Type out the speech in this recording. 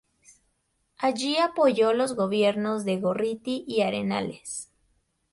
Allí apoyó los gobiernos de Gorriti y Arenales.